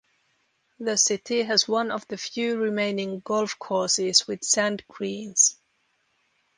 The city has one of the few remaining golf courses with sand greens.